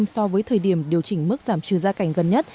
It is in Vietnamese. so với thời điểm điều chỉnh mức giảm trừ gia cảnh gần nhất